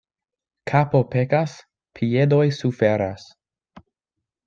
Kapo pekas, piedoj suferas.